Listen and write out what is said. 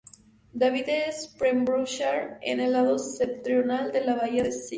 David en Pembrokeshire en el lado septentrional de la bahía de St.